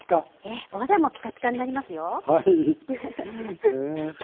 ええお肌もピカピカになりますよ。